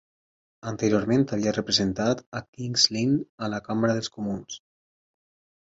Anteriorment, havia representat a King's Lynn a la Cambra dels Comuns.